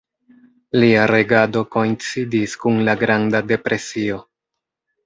Lia regado koincidis kun la Granda Depresio.